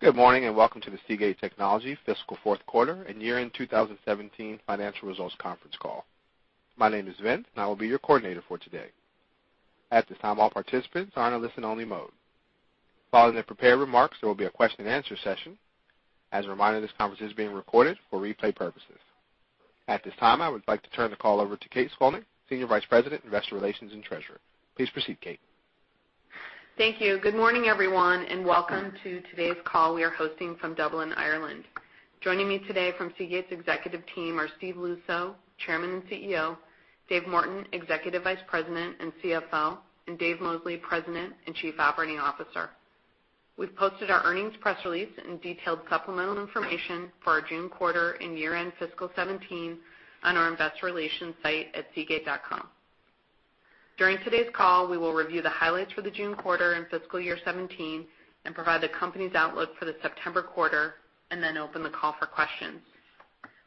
Good morning. Welcome to the Seagate Technology fiscal fourth quarter and year-end 2017 financial results conference call. My name is Vint, and I will be your coordinator for today. At this time, all participants are in a listen-only mode. Following the prepared remarks, there will be a question-and-answer session. As a reminder, this conference is being recorded for replay purposes. At this time, I would like to turn the call over to Kate Scolnick, Senior Vice President, Investor Relations and Treasurer. Please proceed, Kate. Thank you. Good morning, everyone. Welcome to today's call we are hosting from Dublin, Ireland. Joining me today from Seagate's executive team are Steve Luczo, Chairman and CEO, Dave Morton, Executive Vice President and CFO, and Dave Mosley, President and Chief Operating Officer. We've posted our earnings press release and detailed supplemental information for our June quarter and year-end fiscal 2017 on our investor relations site at seagate.com. During today's call, we will review the highlights for the June quarter and fiscal year 2017 and provide the company's outlook for the September quarter. Then open the call for questions.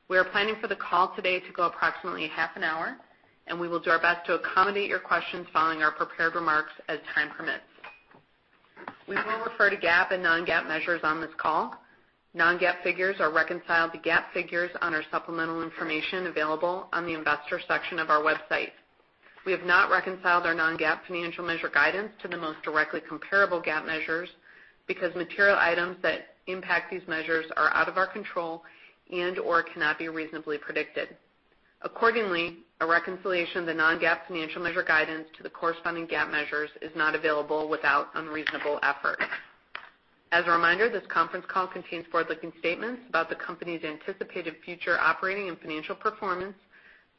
We are planning for the call today to go approximately half an hour. We will do our best to accommodate your questions following our prepared remarks as time permits. We will refer to GAAP and non-GAAP measures on this call. Non-GAAP figures are reconciled to GAAP figures on our supplemental information available on the investor section of our website. We have not reconciled our non-GAAP financial measure guidance to the most directly comparable GAAP measures because material items that impact these measures are out of our control and/or cannot be reasonably predicted. Accordingly, a reconciliation of the non-GAAP financial measure guidance to the corresponding GAAP measures is not available without unreasonable effort. As a reminder, this conference call contains forward-looking statements about the company's anticipated future operating and financial performance,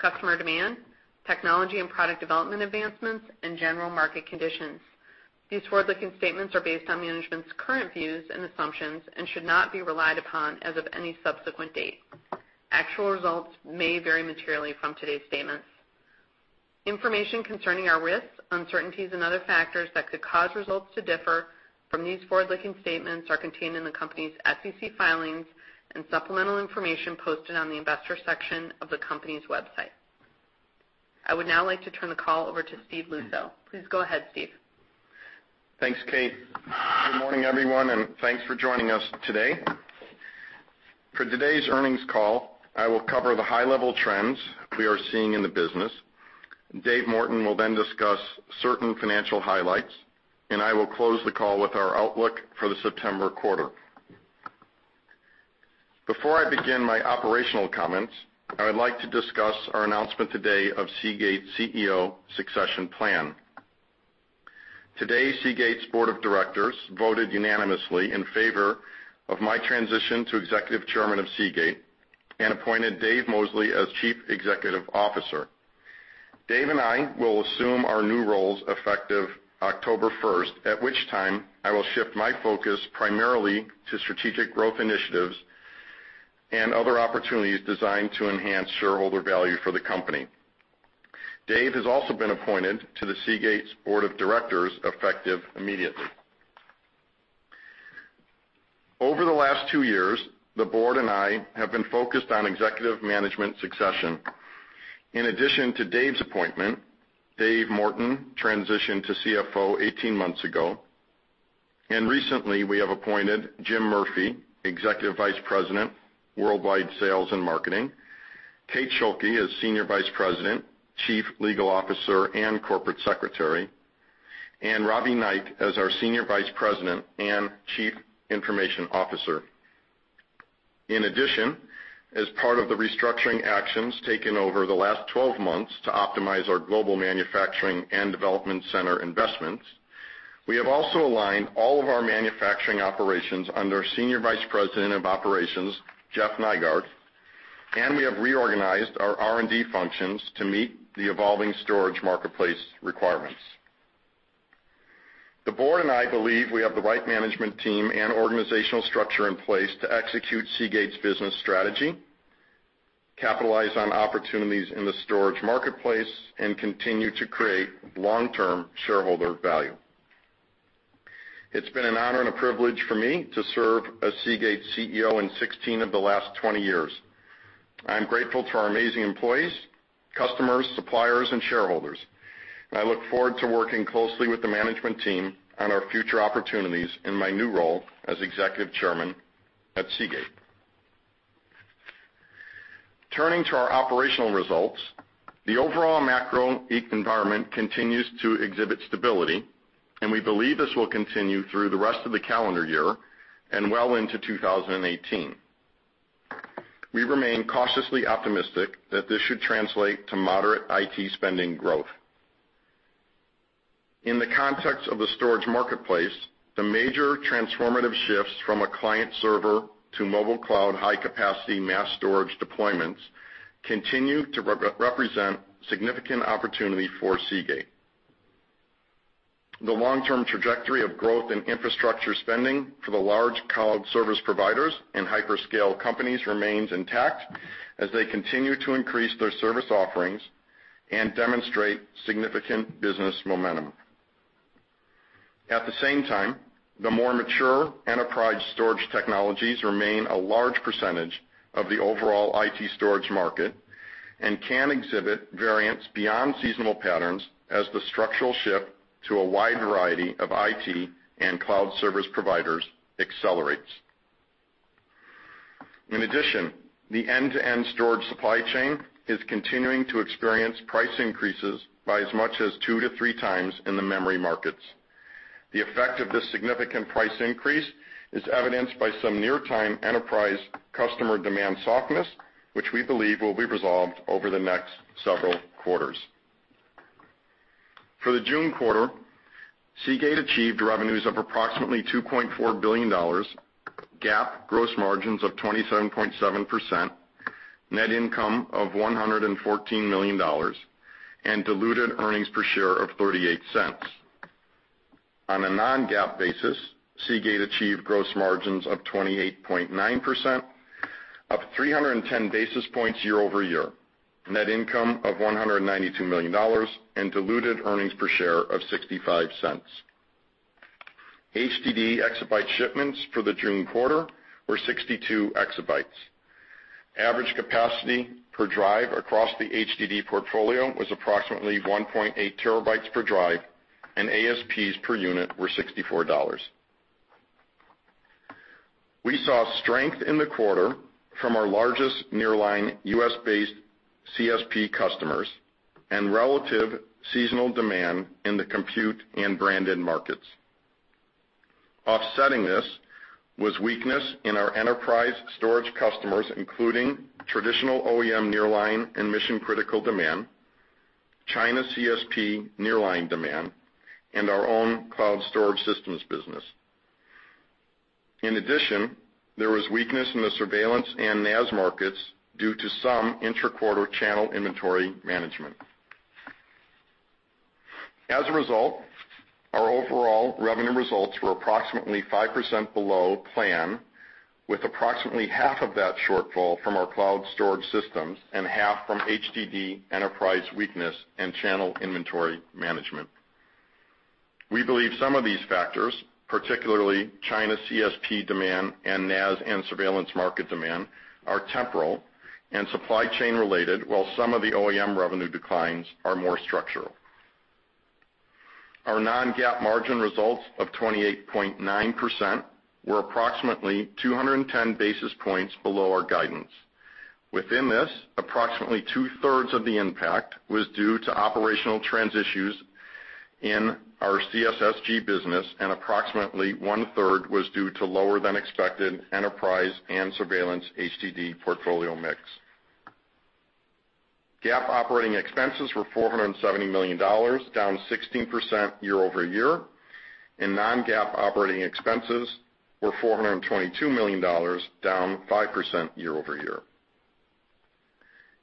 customer demand, technology and product development advancements, and general market conditions. These forward-looking statements are based on management's current views and assumptions and should not be relied upon as of any subsequent date. Actual results may vary materially from today's statements. Information concerning our risks, uncertainties, and other factors that could cause results to differ from these forward-looking statements are contained in the company's SEC filings and supplemental information posted on the investor section of the company's website. I would now like to turn the call over to Steve Luczo. Please go ahead, Steve. Thanks, Kate. Good morning, everyone, and thanks for joining us today. For today's earnings call, I will cover the high-level trends we are seeing in the business. Dave Morton will then discuss certain financial highlights, and I will close the call with our outlook for the September quarter. Before I begin my operational comments, I would like to discuss our announcement today of Seagate's CEO succession plan. Today, Seagate's board of directors voted unanimously in favor of my transition to Executive Chairman of Seagate and appointed Dave Mosley as Chief Executive Officer. Dave and I will assume our new roles effective October 1st, at which time I will shift my focus primarily to strategic growth initiatives and other opportunities designed to enhance shareholder value for the company. Dave has also been appointed to the Seagate's board of directors effective immediately. Over the last two years, the board and I have been focused on executive management succession. In addition to Dave's appointment, Dave Morton transitioned to CFO 18 months ago, and recently we have appointed Jim Murphy, Executive Vice President, Worldwide Sales and Marketing, Kate Schuelke as Senior Vice President, Chief Legal Officer, and Corporate Secretary, and Ravi Naik as our Senior Vice President and Chief Information Officer. In addition, as part of the restructuring actions taken over the last 12 months to optimize our global manufacturing and development center investments, we have also aligned all of our manufacturing operations under Senior Vice President of Operations, Jeff Nygaard, and we have reorganized our R&D functions to meet the evolving storage marketplace requirements. The board and I believe we have the right management team and organizational structure in place to execute Seagate's business strategy, capitalize on opportunities in the storage marketplace, and continue to create long-term shareholder value. It's been an honor and a privilege for me to serve as Seagate CEO in 16 of the last 20 years. I am grateful to our amazing employees, customers, suppliers, and shareholders, and I look forward to working closely with the management team on our future opportunities in my new role as Executive Chairman at Seagate. Turning to our operational results, the overall macro environment continues to exhibit stability, and we believe this will continue through the rest of the calendar year and well into 2018. We remain cautiously optimistic that this should translate to moderate IT spending growth. In the context of the storage marketplace, the major transformative shifts from a client server to mobile cloud high-capacity mass storage deployments continue to represent significant opportunity for Seagate. The long-term trajectory of growth in infrastructure spending for the large cloud service providers and hyperscale companies remains intact as they continue to increase their service offerings and demonstrate significant business momentum. At the same time, the more mature enterprise storage technologies remain a large percentage of the overall IT storage market and can exhibit variance beyond seasonal patterns as the structural shift to a wide variety of IT and cloud service providers accelerates. In addition, the end-to-end storage supply chain is continuing to experience price increases by as much as two to three times in the memory markets. The effect of this significant price increase is evidenced by some nearline enterprise customer demand softness, which we believe will be resolved over the next several quarters. For the June quarter, Seagate achieved revenues of approximately $2.4 billion, GAAP gross margins of 27.7%, net income of $114 million, and diluted earnings per share of $0.38. On a non-GAAP basis, Seagate achieved gross margins of 28.9%, up 310 basis points year-over-year, net income of $192 million, and diluted earnings per share of $0.65. HDD exabyte shipments for the June quarter were 62 exabytes. Average capacity per drive across the HDD portfolio was approximately 1.8 terabytes per drive, and ASPs per unit were $64. We saw strength in the quarter from our largest nearline U.S.-based CSP customers and relative seasonal demand in the compute and branded markets. Offsetting this was weakness in our enterprise storage customers, including traditional OEM nearline and mission-critical demand, China CSP nearline demand, and our own cloud storage systems business. In addition, there was weakness in the surveillance and NAS markets due to some intra-quarter channel inventory management. As a result, our overall revenue results were approximately 5% below plan, with approximately half of that shortfall from our cloud storage systems and half from HDD enterprise weakness and channel inventory management. We believe some of these factors, particularly China CSP demand and NAS and surveillance market demand, are temporal and supply chain related, while some of the OEM revenue declines are more structural. Our non-GAAP margin results of 28.9% were approximately 210 basis points below our guidance. Within this, approximately two-thirds of the impact was due to operational trends issues in our CSSG business, and approximately one-third was due to lower than expected enterprise and surveillance HDD portfolio mix. GAAP operating expenses were $470 million, down 16% year-over-year, and non-GAAP operating expenses were $422 million, down 5% year-over-year.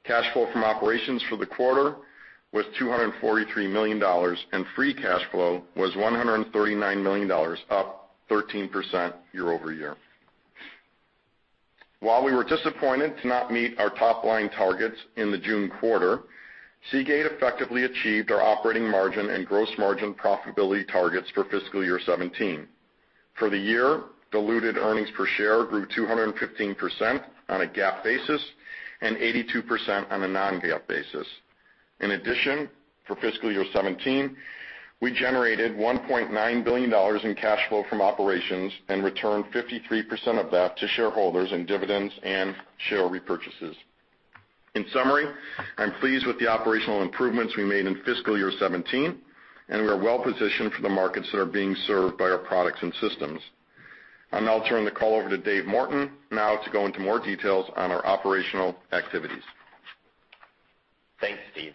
Cash flow from operations for the quarter was $243 million, and free cash flow was $139 million, up 13% year-over-year. While we were disappointed to not meet our top-line targets in the June quarter, Seagate effectively achieved our operating margin and gross margin profitability targets for fiscal year 2017. For the year, diluted earnings per share grew 215% on a GAAP basis and 82% on a non-GAAP basis. In addition, for fiscal year 2017, we generated $1.9 billion in cash flow from operations and returned 53% of that to shareholders in dividends and share repurchases. In summary, I'm pleased with the operational improvements we made in fiscal year 2017, and we are well positioned for the markets that are being served by our products and systems. I'll now turn the call over to Dave Morton now to go into more details on our operational activities. Thanks, Steve.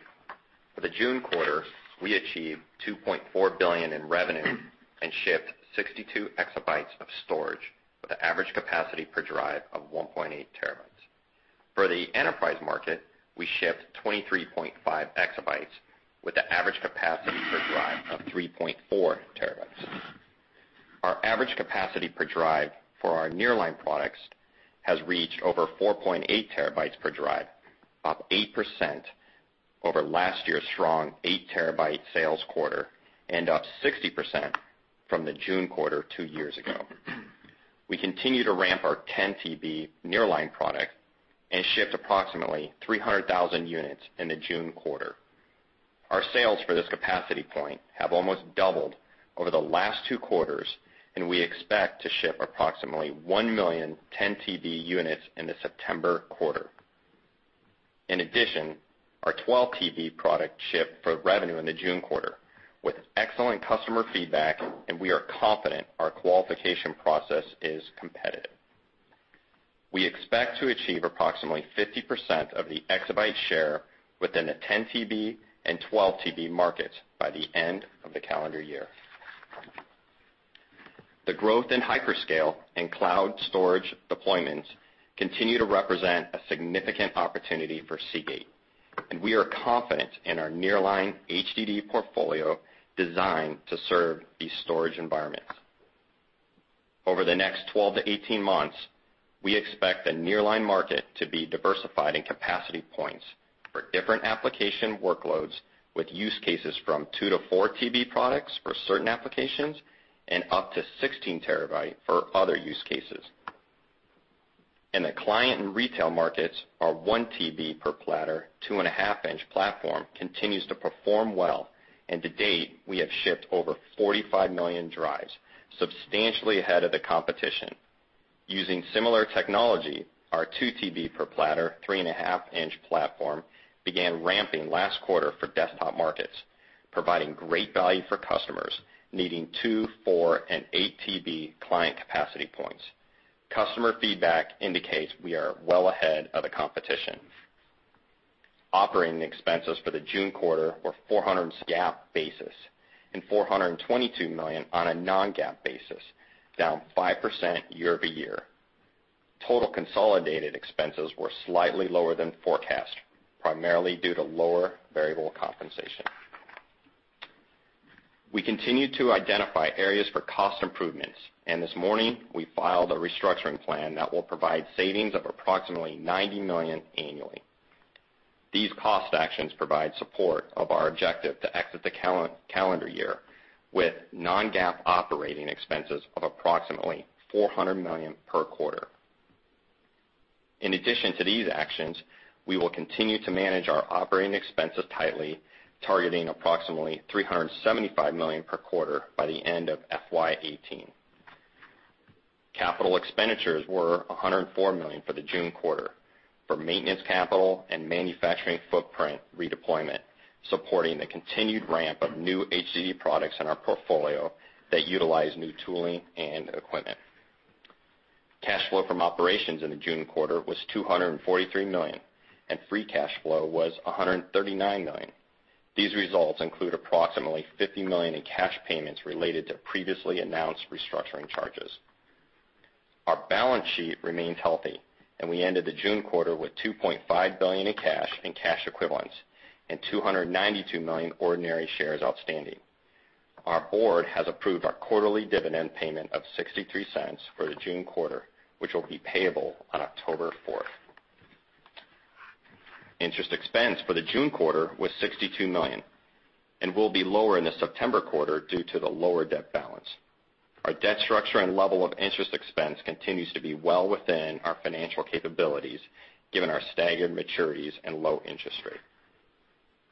For the June quarter, we achieved $2.4 billion in revenue and shipped 62 exabytes of storage with an average capacity per drive of 1.8 TB. For the enterprise market, we shipped 23.5 exabytes with an average capacity per drive of 3.4 TB. Our average capacity per drive for our nearline products has reached over 4.8 TB per drive, up 8% over last year's strong 8 TB sales quarter and up 60% from the June quarter two years ago. We continue to ramp our 10 TB nearline product and shipped approximately 300,000 units in the June quarter. Our sales for this capacity point have almost doubled over the last two quarters, and we expect to ship approximately 1 million 10 TB units in the September quarter. In addition, our 12 TB product shipped for revenue in the June quarter with excellent customer feedback, and we are confident our qualification process is competitive. We expect to achieve approximately 50% of the exabyte share within the 10 TB and 12 TB markets by the end of the calendar year. The growth in hyperscale and cloud storage deployments continue to represent a significant opportunity for Seagate, and we are confident in our nearline HDD portfolio designed to serve these storage environments. Over the next 12 to 18 months, we expect the nearline market to be diversified in capacity points for different application workloads with use cases from 2 to 4 TB products for certain applications and up to 16 TB for other use cases. In the client and retail markets, our 1 TB per platter, 2.5-inch platform continues to perform well, and to date, we have shipped over 45 million drives, substantially ahead of the competition. Using similar technology, our 2 TB per platter, 3.5-inch platform began ramping last quarter for desktop markets, providing great value for customers needing 2, 4, and 8 TB client capacity points. Customer feedback indicates we are well ahead of the competition. Operating expenses for the June quarter were $470 on a GAAP basis and $422 million on a non-GAAP basis, down 5% year-over-year. Total consolidated expenses were slightly lower than forecast, primarily due to lower variable compensation. We continue to identify areas for cost improvements, and this morning, we filed a restructuring plan that will provide savings of approximately $90 million annually. These cost actions provide support of our objective to exit the calendar year with non-GAAP operating expenses of approximately $400 million per quarter. In addition to these actions, we will continue to manage our operating expenses tightly, targeting approximately $375 million per quarter by the end of FY 2018. Capital expenditures were $104 million for the June quarter for maintenance capital and manufacturing footprint redeployment, supporting the continued ramp of new HDD products in our portfolio that utilize new tooling and equipment. Cash flow from operations in the June quarter was $243 million, and free cash flow was $139 million. These results include approximately $50 million in cash payments related to previously announced restructuring charges. Our balance sheet remains healthy, and we ended the June quarter with $2.5 billion in cash and cash equivalents and 292 million ordinary shares outstanding. Our board has approved our quarterly dividend payment of $0.63 for the June quarter, which will be payable on October 4th. Interest expense for the June quarter was $62 million and will be lower in the September quarter due to the lower debt balance. Our debt structure and level of interest expense continues to be well within our financial capabilities given our staggered maturities and low interest rate.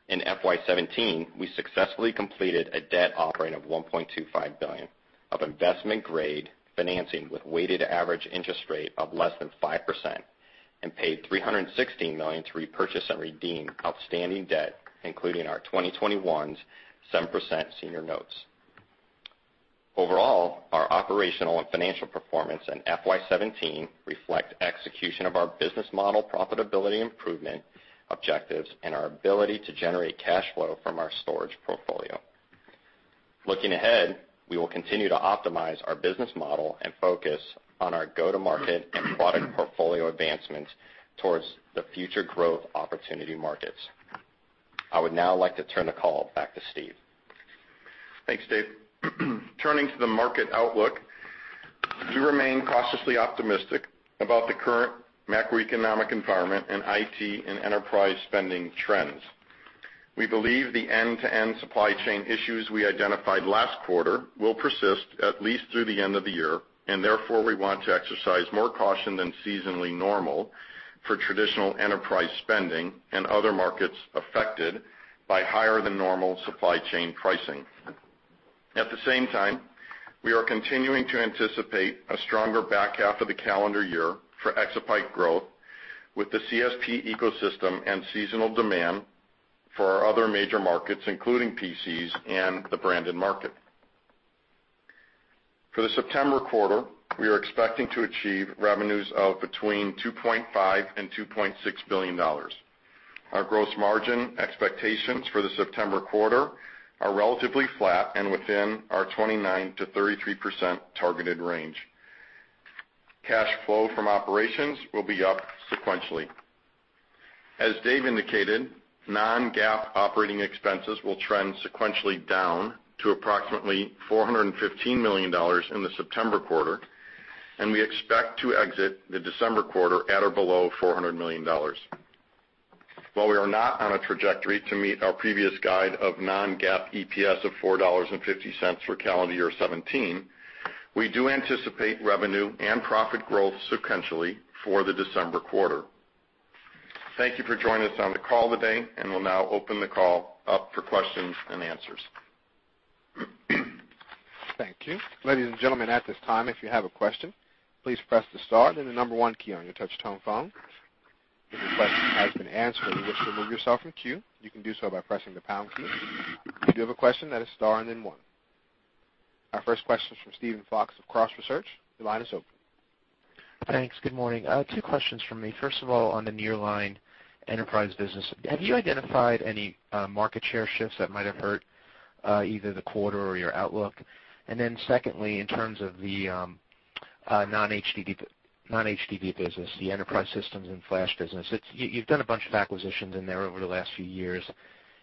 In FY 2017, we successfully completed a debt offering of $1.25 billion of investment-grade financing with weighted average interest rate of less than 5% and paid $316 million to repurchase and redeem outstanding debt, including our 2021's 7% senior notes. Overall, our operational and financial performance in FY 2017 reflect execution of our business model profitability improvement objectives and our ability to generate cash flow from our storage portfolio. Looking ahead, we will continue to optimize our business model and focus on our go-to-market and product portfolio advancements towards the future growth opportunity markets. I would now like to turn the call back to Steve. Thanks, Dave. Turning to the market outlook, we do remain cautiously optimistic about the current macroeconomic environment and IT and enterprise spending trends. We believe the end-to-end supply chain issues we identified last quarter will persist at least through the end of the year. Therefore, we want to exercise more caution than seasonally normal for traditional enterprise spending and other markets affected by higher than normal supply chain pricing. At the same time, we are continuing to anticipate a stronger back half of the calendar year for exabyte growth with the CSP ecosystem and seasonal demand for our other major markets, including PCs and the branded market. For the September quarter, we are expecting to achieve revenues of between $2.5 billion and $2.6 billion. Our gross margin expectations for the September quarter are relatively flat and within our 29%-33% targeted range. Cash flow from operations will be up sequentially. As Dave indicated, non-GAAP operating expenses will trend sequentially down to approximately $415 million in the September quarter. We expect to exit the December quarter at or below $400 million. While we are not on a trajectory to meet our previous guide of non-GAAP EPS of $4.50 for calendar year 2017, we do anticipate revenue and profit growth sequentially for the December quarter. Thank you for joining us on the call today. We'll now open the call up for questions and answers. Thank you. Ladies and gentlemen, at this time, if you have a question, please press the star, then the number 1 key on your touch-tone phone. If your question has been answered and you wish to remove yourself from queue, you can do so by pressing the pound key. If you do have a question, that is star and then one. Our first question is from Steven Fox of Cross Research. The line is open. Thanks. Good morning. Two questions from me. First of all, on the nearline enterprise business, have you identified any market share shifts that might have hurt either the quarter or your outlook? Secondly, in terms of the non-HDD business, the enterprise systems and flash business, you've done a bunch of acquisitions in there over the last few years.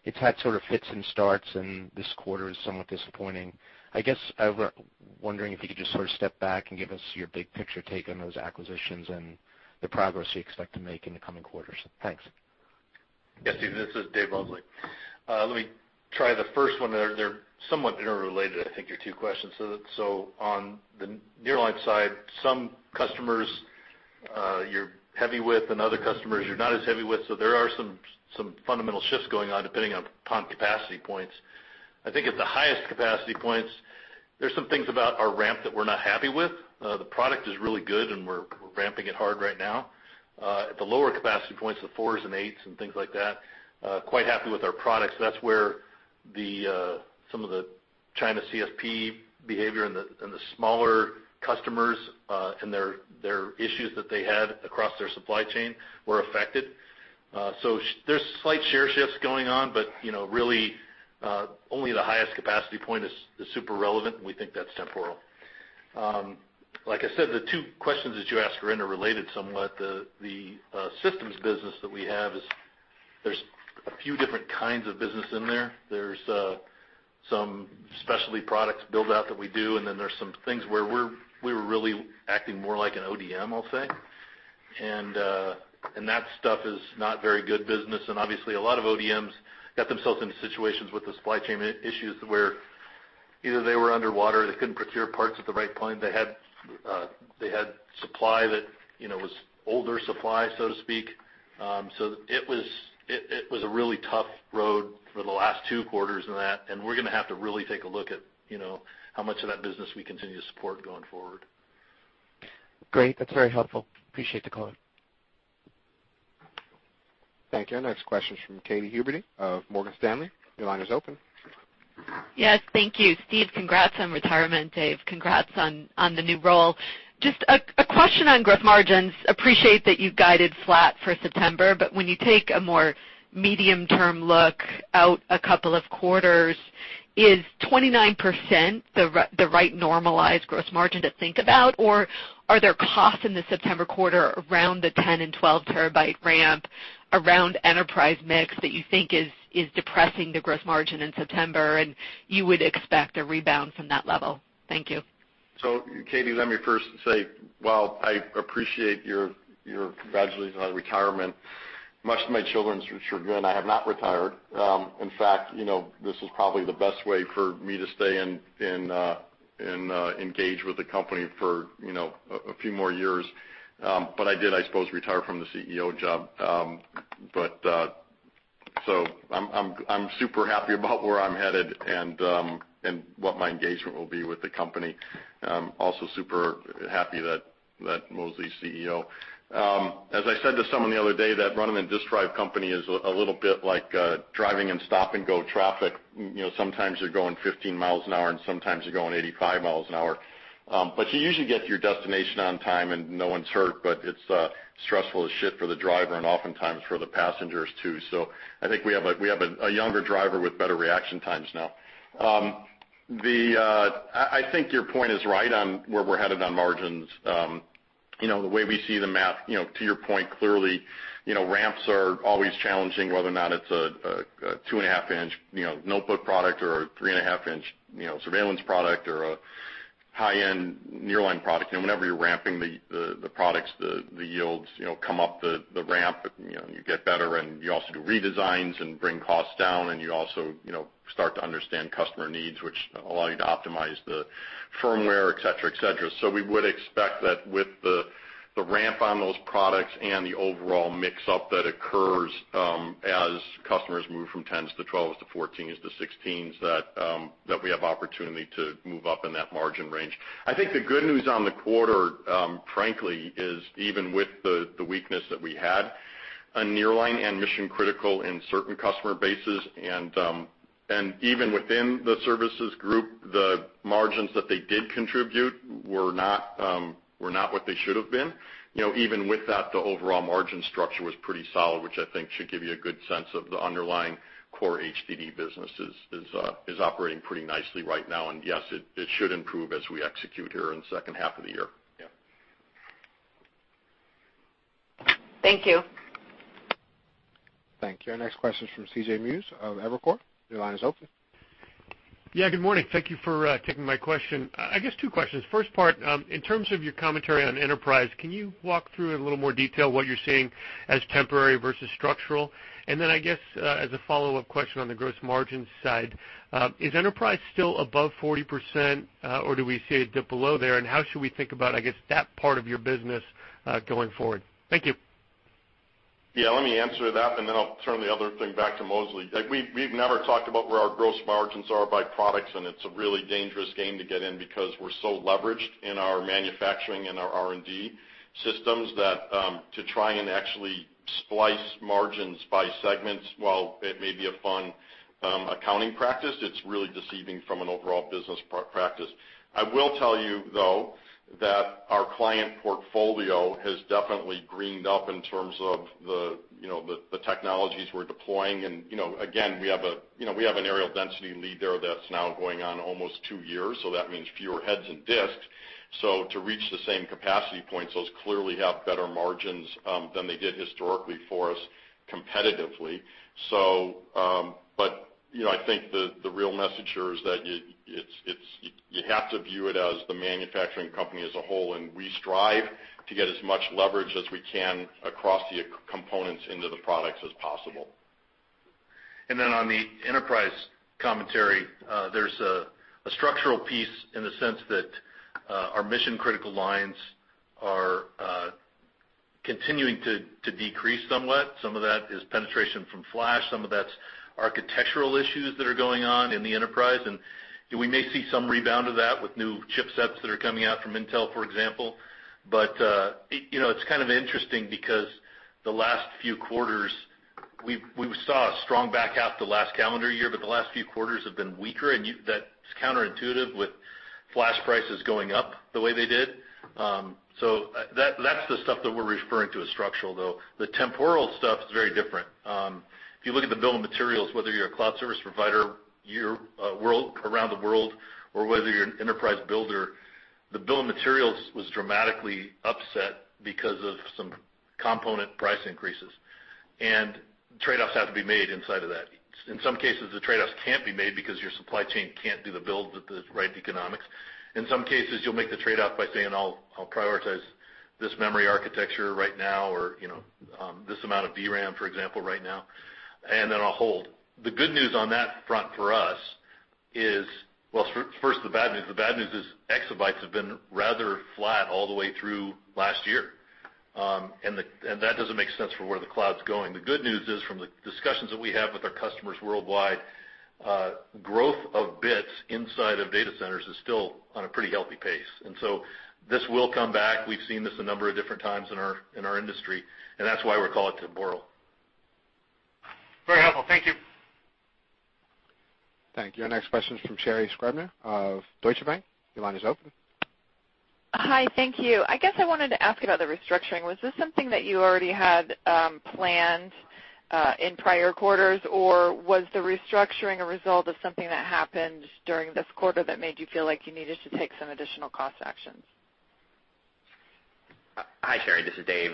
It's had sort of hits and starts, and this quarter is somewhat disappointing. I guess I was wondering if you could just sort of step back and give us your big-picture take on those acquisitions and the progress you expect to make in the coming quarters. Thanks. Yes, Steve. This is Dave Mosley. Let me try the first one there. They're somewhat interrelated, I think, your two questions. On the nearline side, some customers You're heavy with and other customers you're not as heavy with, there are some fundamental shifts going on depending upon capacity points. I think at the highest capacity points, there's some things about our ramp that we're not happy with. The product is really good, and we're ramping it hard right now. At the lower capacity points, the 4s and 8s and things like that, quite happy with our products. That's where some of the China CSP behavior and the smaller customers and their issues that they had across their supply chain were affected. There's slight share shifts going on, but really only the highest capacity point is super relevant, and we think that's temporal. Like I said, the two questions that you asked [are interrelated] somewhat. The systems business that we have is, there's a few different kinds of business in there. There's some specialty products build-out that we do, then there's some things where we were really acting more like an ODM, I'll say. That stuff is not very good business, obviously a lot of ODMs got themselves into situations with the supply chain issues where either they were underwater, they couldn't procure parts at the right point, they had supply that was older supply, so to speak. It was a really tough road for the last two quarters and that, and we're going to have to really take a look at how much of that business we continue to support going forward. Great. That's very helpful. Appreciate the call. Thank you. Our next question is from Katy Huberty of Morgan Stanley. Your line is open. Yes, thank you. Steve, congrats on retirement. Dave, congrats on the new role. Just a question on gross margins. Appreciate that you've guided flat for September, when you take a more medium-term look out a couple of quarters, is 29% the right normalized gross margin to think about? Are there costs in the September quarter around the 10- and 12-terabyte ramp, around enterprise mix that you think is depressing the gross margin in September, and you would expect a rebound from that level? Thank you. Katy, let me first say, while I appreciate your congratulations on retirement, much to my children's chagrin, I have not retired. In fact, this was probably the best way for me to stay engaged with the company for a few more years. I did, I suppose, retire from the CEO job. I'm super happy about where I'm headed and what my engagement will be with the company. Also super happy that Mosley's CEO. As I said to someone the other day, that running a disk drive company is a little bit like driving in stop-and-go traffic. Sometimes you're going 15 miles an hour, and sometimes you're going 85 miles an hour. You usually get to your destination on time, and no one's hurt, but it's stressful as shit for the driver and oftentimes for the passengers, too. I think we have a younger driver with better reaction times now. I think your point is right on where we're headed on margins. The way we see the math, to your point, clearly, ramps are always challenging, whether or not it's a two-and-a-half-inch notebook product or a three-and-a-half-inch surveillance product or a high-end nearline product. Whenever you're ramping the products, the yields come up the ramp, and you get better, and you also do redesigns and bring costs down, and you also start to understand customer needs, which allow you to optimize the firmware, et cetera. We would expect that with the ramp on those products and the overall mix-up that occurs as customers move from 10s to 12s to 14s to 16s, that we have opportunity to move up in that margin range. I think the good news on the quarter, frankly, is even with the weakness that we had on nearline and mission-critical in certain customer bases, and even within the services group, the margins that they did contribute were not what they should have been. Even with that, the overall margin structure was pretty solid, which I think should give you a good sense of the underlying core HDD businesses is operating pretty nicely right now. Yes, it should improve as we execute here in the second half of the year. Yeah. Thank you. Thank you. Our next question is from C.J. Muse of Evercore. Your line is open. Yeah, good morning. Thank you for taking my question. I guess two questions. First part, in terms of your commentary on enterprise, can you walk through in a little more detail what you're seeing as temporary versus structural? I guess as a follow-up question on the gross margin side, is enterprise still above 40%, or do we see a dip below there, and how should we think about, I guess, that part of your business going forward? Thank you. Yeah, let me answer that, and then I'll turn the other thing back to Mosley. We've never talked about where our gross margins are by products, and it's a really dangerous game to get in because we're so leveraged in our manufacturing and our R&D systems that to try and actually splice margins by segments, while it may be a fun accounting practice, it's really deceiving from an overall business practice. I will tell you, though, that our client portfolio has definitely greened up in terms of the technologies we're deploying, and again, we have an areal density lead there that's now going on almost two years, so that means fewer heads and disks. To reach the same capacity points, those clearly have better margins than they did historically for us competitively. I think the real message here is that you have to view it as the manufacturing company as a whole, and we strive to get as much leverage as we can across the components into the products as possible. On the enterprise commentary, there's a structural piece in the sense that our mission-critical lines are continuing to decrease somewhat. Some of that is penetration from flash, some of that's architectural issues that are going on in the enterprise, and we may see some rebound of that with new chipsets that are coming out from Intel, for example. It's kind of interesting because the last few quarters, we saw a strong back half the last calendar year, but the last few quarters have been weaker, and that's counterintuitive with flash prices going up the way they did. That's the stuff that we're referring to as structural, though. The temporal stuff is very different. If you look at the bill of materials, whether you're a cloud service provider around the world or whether you're an enterprise builder, the bill of materials was dramatically upset because of some component price increases, and trade-offs have to be made inside of that. In some cases, the trade-offs can't be made because your supply chain can't do the build with the right economics. In some cases, you'll make the trade-off by saying, "I'll prioritize this memory architecture right now" or "this amount of DRAM," for example, "right now, and then I'll hold." The good news on that front for us is Well, first, the bad news. The bad news is exabytes have been rather flat all the way through last year, and that doesn't make sense for where the cloud's going. The good news is from the discussions that we have with our customers worldwide, growth of bits inside of data centers is still on a pretty healthy pace. This will come back. We've seen this a number of different times in our industry, and that's why we call it temporal. Very helpful. Thank you. Thank you. Our next question is from Sherri Scribner of Deutsche Bank. Your line is open. Hi, thank you. I guess I wanted to ask about the restructuring. Was this something that you already had planned in prior quarters, or was the restructuring a result of something that happened during this quarter that made you feel like you needed to take some additional cost actions? Hi, Sherri. This is Dave.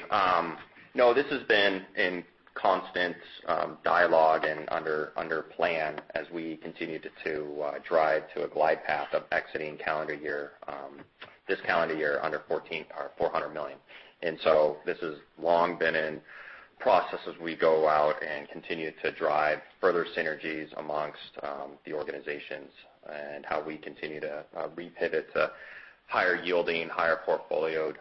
No, this has been in constant dialogue and under plan as we continued to drive to a glide path of exiting this calendar year under $14 or $400 million. This has long been in process as we go out and continue to drive further synergies amongst the organizations and how we continue to repivot to higher yielding, higher portfolio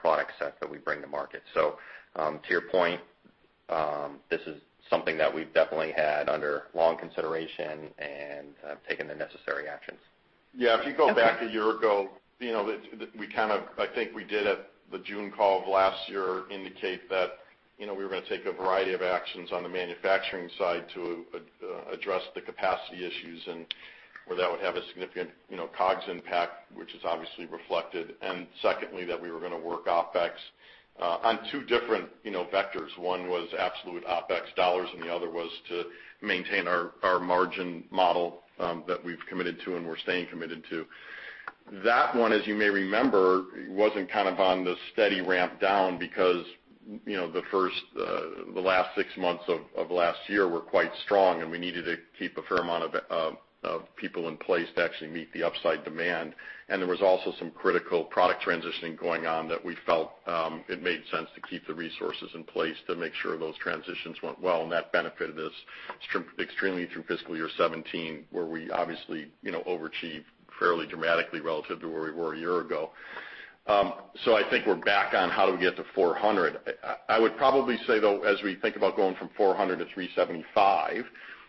product set that we bring to market. To your point, this is something that we've definitely had under long consideration and have taken the necessary actions. Yeah, if you go back a year ago, I think we did at the June call of last year indicate that we were going to take a variety of actions on the manufacturing side to address the capacity issues and where that would have a significant COGS impact, which is obviously reflected. Secondly, that we were going to work OpEx on two different vectors. One was absolute OpEx dollars, and the other was to maintain our margin model that we've committed to and we're staying committed to. That one, as you may remember, wasn't on the steady ramp down because the last six months of last year were quite strong, and we needed to keep a fair amount of people in place to actually meet the upside demand. There was also some critical product transitioning going on that we felt it made sense to keep the resources in place to make sure those transitions went well, and that benefited us extremely through FY 2017, where we obviously overachieved fairly dramatically relative to where we were a year ago. I think we're back on how do we get to $400. I would probably say, though, as we think about going from $400 to $375,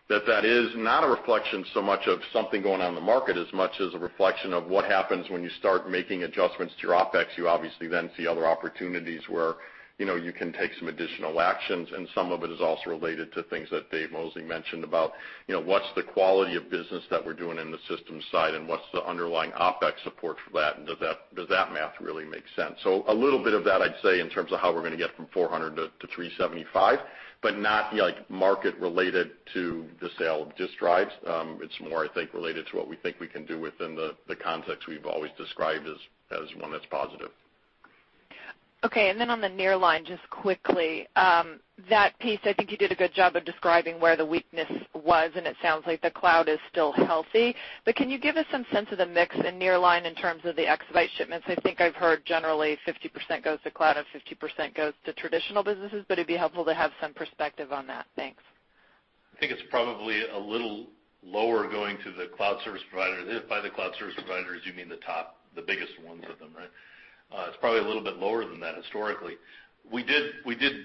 that that is not a reflection so much of something going on in the market as much as a reflection of what happens when you start making adjustments to your OpEx. You obviously then see other opportunities where you can take some additional actions, and some of it is also related to things that Dave Mosley mentioned about what's the quality of business that we're doing in the systems side and what's the underlying OpEx support for that, and does that math really make sense? A little bit of that, I'd say, in terms of how we're going to get from 400 to 375, but not market related to the sale of disk drives. It's more, I think, related to what we think we can do within the context we've always described as one that's positive. On the nearline, just quickly, that piece, I think you did a good job of describing where the weakness was, and it sounds like the cloud is still healthy. Can you give us some sense of the mix in nearline in terms of the exabyte shipments? I think I've heard generally 50% goes to cloud and 50% goes to traditional businesses, but it'd be helpful to have some perspective on that. Thanks. I think it's probably a little lower going to the cloud service provider. By the cloud service providers, you mean the top, the biggest ones of them, right? It's probably a little bit lower than that historically. We did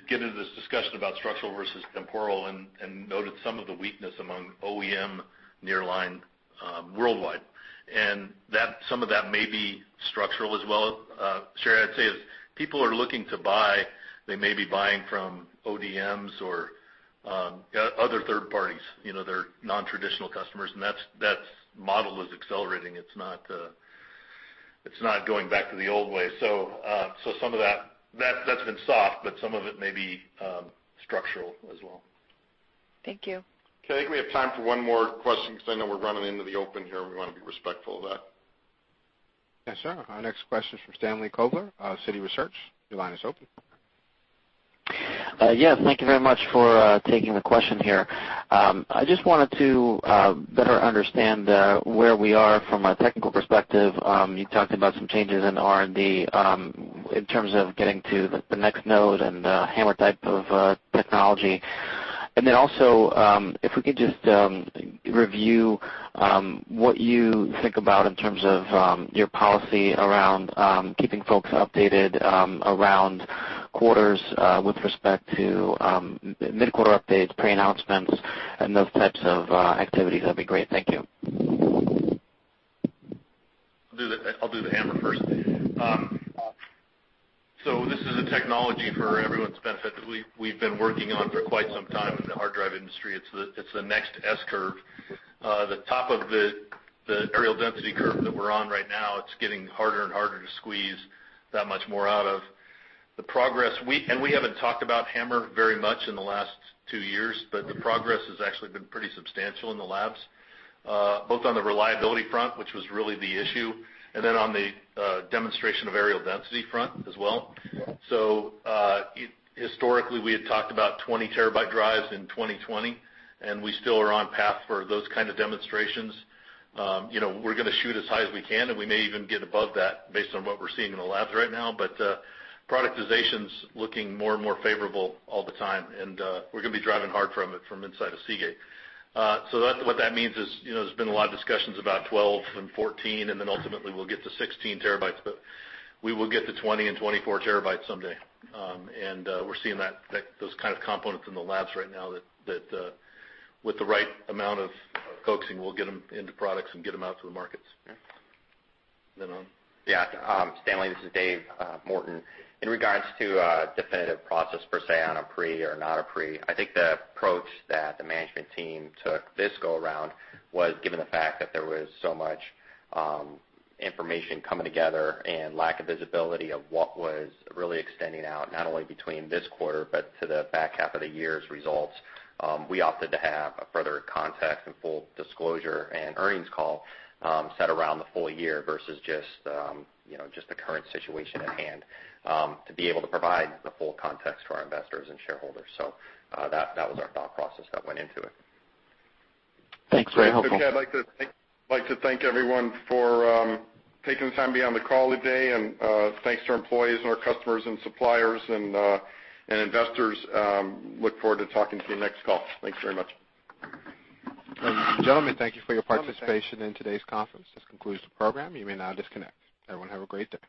get into this discussion about structural versus temporal and noted some of the weakness among OEM nearline worldwide, and some of that may be structural as well. Sherri, I'd say as people are looking to buy, they may be buying from ODMs or other third parties. They're non-traditional customers, and that model is accelerating. It's not going back to the old way. Some of that's been soft, but some of it may be structural as well. Thank you. Okay, I think we have time for one more question because I know we're running into the open here. We want to be respectful of that. Yes, sir. Our next question is from Stan Kovler of Citi Research. Your line is open. Yes, thank you very much for taking the question here. I just wanted to better understand where we are from a technical perspective. You talked about some changes in R&D in terms of getting to the next node and the HAMR type of technology. Also, if we could just review what you think about in terms of your policy around keeping folks updated around quarters with respect to mid-quarter updates, pre-announcements, and those types of activities, that'd be great. Thank you. I'll do the HAMR first. This is a technology, for everyone's benefit, that we've been working on for quite some time in the hard drive industry. It's the next S-curve. The top of the areal density curve that we're on right now, it's getting harder and harder to squeeze that much more out of. We haven't talked about HAMR very much in the last two years, the progress has actually been pretty substantial in the labs, both on the reliability front, which was really the issue, on the demonstration of areal density front as well. Historically, we had talked about 20-terabyte drives in 2020. We still are on path for those kind of demonstrations. We're going to shoot as high as we can. We may even get above that based on what we're seeing in the labs right now. Productization's looking more and more favorable all the time, and we're going to be driving hard from it from inside of Seagate. What that means is, there's been a lot of discussions about 12 and 14, and then ultimately we'll get to 16 terabytes, but we will get to 20 and 24 terabytes someday. We're seeing those kind of components in the labs right now that with the right amount of coaxing, we'll get them into products and get them out to the markets. Yeah. On. Yeah. Stanley, this is Dave Morton. In regards to a definitive process per se on a pre or not a pre, I think the approach that the management team took this go around was, given the fact that there was so much information coming together and lack of visibility of what was really extending out, not only between this quarter, but to the back half of the year's results, we opted to have a further context and full disclosure and earnings call set around the full year versus just the current situation at hand, to be able to provide the full context for our investors and shareholders. That was our thought process that went into it. Thanks. Very helpful. Okay. I'd like to thank everyone for taking the time to be on the call today, thanks to our employees and our customers and suppliers and investors. Look forward to talking to you next call. Thanks very much. Ladies and gentlemen, thank you for your participation in today's conference. This concludes the program. You may now disconnect. Everyone have a great day.